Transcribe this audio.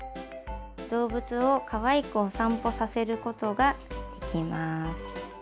動物をかわいくお散歩させることができます。